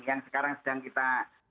yang sekarang sedang kita